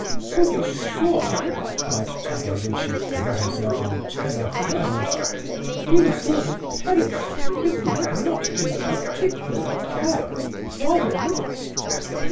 'To be sure (cried Tabby, when she found herself on terra firma), we must all have perished, if we had not been the particular care of Providence.